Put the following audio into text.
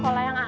kala yang asli